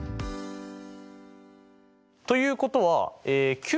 ということはＱ